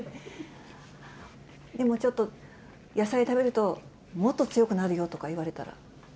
でもちょっと、野菜食べるともっと強くなるよとか言われたら？